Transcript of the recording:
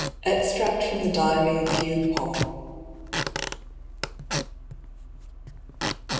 EXTRACT FROM THE DIARY OF HUGH PAULL.